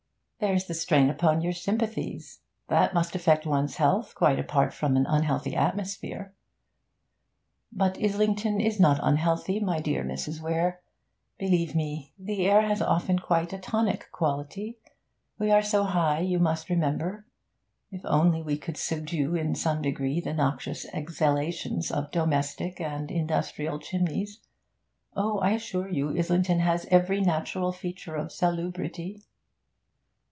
'There's the strain upon your sympathies. That must affect one's health, quite apart from an unhealthy atmosphere.' 'But Islington is not unhealthy, my dear Mrs. Weare! Believe me, the air has often quite a tonic quality. We are so high, you must remember. If only we could subdue in some degree the noxious exhalations of domestic and industrial chimneys! Oh, I assure you, Islington has every natural feature of salubrity.'